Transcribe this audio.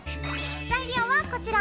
材料はこちら！